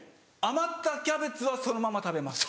余ったキャベツはそのまま食べます。